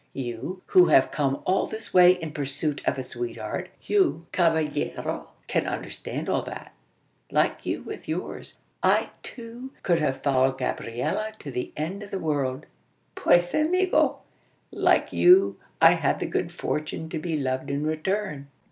You, who have come all this way in pursuit of a sweetheart, you, cavallero, can understand all that. Like you with yours, I too could have followed Gabriella to the end of the world! Puez amigo! Like you, I had the good fortune to be loved in return."